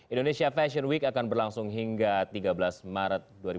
indonesia fashion week akan berlangsung hingga tiga belas maret dua ribu dua puluh